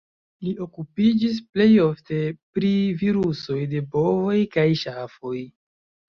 Li okupiĝis plej ofte pri virusoj de bovoj kaj ŝafoj.